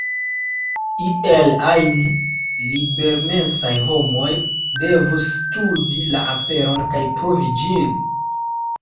Iel ajn, libermensaj homoj devus studi la aferon kaj provi ĝin.